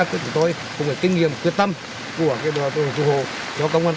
đảm bảo cho chúng tôi cùng với kinh nghiệm quyết tâm của đồng chú hộ cho công an tỉnh